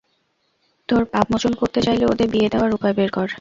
তোর পাপ মোচন করতে চাইলে ওদের বিয়ে দেওয়ার উপায় বের কর।